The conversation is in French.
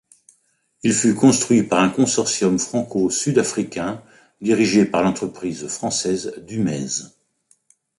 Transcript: Il fut construit par un consortium franco-sud-africain dirigé par l'entreprise française Dumez.